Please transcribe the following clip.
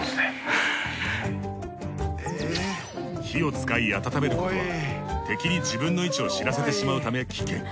火を使い温めることは敵に自分の位置を知らせてしまうため危険。